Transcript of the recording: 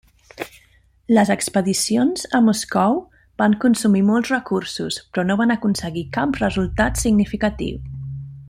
Les expedicions a Moscou van consumir molts recursos, però no van aconseguir cap resultat significatiu.